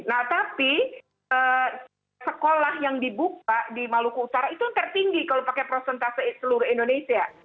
nah tapi sekolah yang dibuka di maluku utara itu yang tertinggi kalau pakai prosentase seluruh indonesia